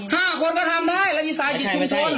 ห้าคนก็ทำได้แล้วมีศาสตร์กิจชุมชน